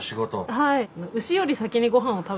はい。